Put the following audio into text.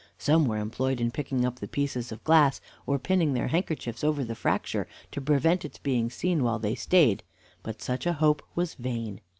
Some were employed in picking up the pieces of glass, or pinning their handkerchiefs over the fracture, to prevent its being seen while they stayed; but such a hope was vain.